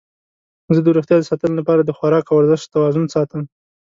زه د روغتیا د ساتنې لپاره د خواراک او ورزش توازن ساتم.